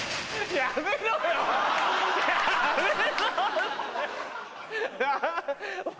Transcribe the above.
やめろ！も！